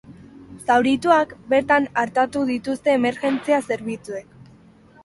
Zaurituak bertan artatu dituzte emergentzia zerbitzuek.